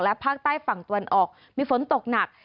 ภาคใต้ฝั่งตะวันออกมีฝนตกหนัก